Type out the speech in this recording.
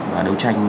và đấu tranh